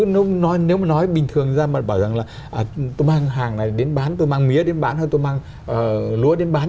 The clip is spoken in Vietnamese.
nó nếu mà nói bình thường ra mà bảo rằng là tôi mang hàng này đến bán tôi mang mía đến bán hơn tôi mang lúa đến bán